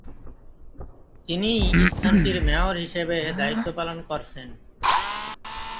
তিনিই স্থানটির মেয়র হিসেবে দায়িত্ব পালন করছেন।